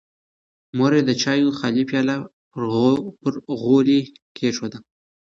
مور یې د چایو خالي پیاله پر غولي کېښوده.